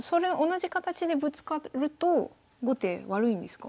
同じ形でぶつかると後手悪いんですか？